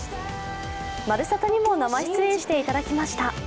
「まるサタ」にも生出演していただきました。